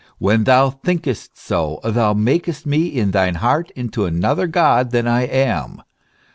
When thou thinkest so, thou makest me in thine heart into another God than I am.